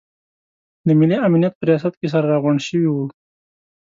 د ملي امنیت په ریاست کې سره راغونډ شوي وو.